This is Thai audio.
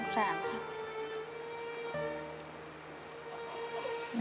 สงสารค่ะ